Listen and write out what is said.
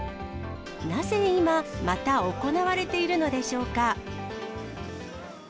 なぜ今、また行われているのでしょうか。